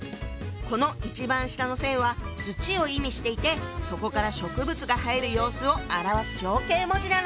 この一番下の線は土を意味していてそこから植物が生える様子を表す象形文字なの。